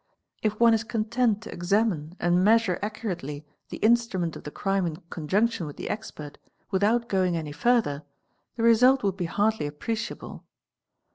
If one is content to examine and measure accurately the instrument of the crime in conjunction with the expert, without going any further, the result would be hardly appreciable.